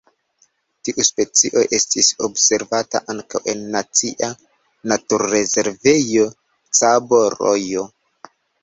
Tiu specio estis observata ankaŭ en Nacia Naturrezervejo Cabo Rojo.